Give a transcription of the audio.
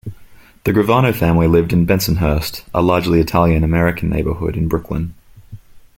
The Gravano family lived in Bensonhurst, a largely Italian American neighborhood in Brooklyn.